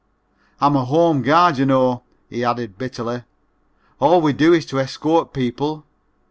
"I'm a home guard, you know," he added bitterly, "all we do is to escort people.